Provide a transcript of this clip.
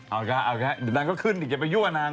เอาละก่อนเดี๋ยวนางก็ขึ้นอย่าไปยั่วนาง